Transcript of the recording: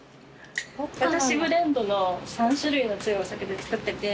私ブレンドの３種類の強いお酒で作ってて。